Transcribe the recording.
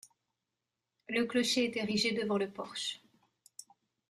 Le clocher est érigé devant le porche.